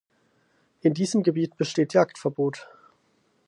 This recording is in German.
In diesem Gebiet besteht Jagdverbot.